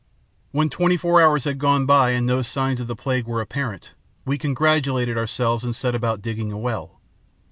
"When twenty four hours had gone by and no signs of the plague were apparent, we congratulated ourselves and set about digging a well.